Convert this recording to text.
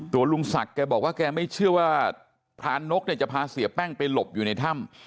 ลุงศักดิ์แกบอกว่าแกไม่เชื่อว่าพรานกเนี่ยจะพาเสียแป้งไปหลบอยู่ในถ้ำ